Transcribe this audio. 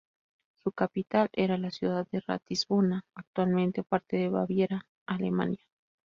Su capital era la ciudad de Ratisbona, actualmente parte de Baviera, Alemania.